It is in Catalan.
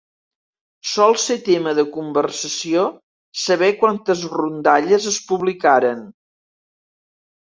Sol ser tema de conversació saber quantes rondalles es publicaren.